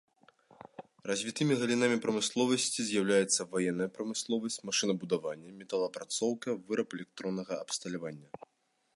Развітымі галінамі прамысловасці з'яўляюцца ваенная прамысловасць, машынабудаванне, металаапрацоўка, выраб электроннага абсталявання.